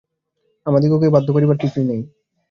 আমাদিগকে বাধ্য করিবার কিছুই নাই।